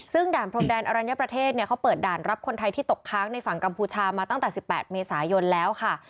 ซึ่งด่านพรมแดนอรัญญประเทศเนี่ยเขาเปิดด่านรับคนไทยที่ตกค้างในฝั่งกัมพูชามาตั้งแต่๑๘เมษายนแล้วค่ะ